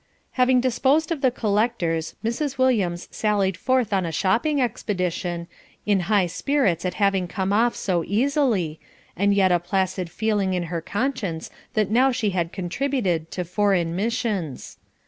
Having disposed of the collectors, Mrs. Williams sallied forth on a shopping expedition, in high spirits at having come off so easily, and yet a placid feeling in her conscience that now she had contributed to "foreign missions."